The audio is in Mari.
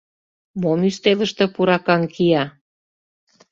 Мом ӱстелыште пуракаҥ кия?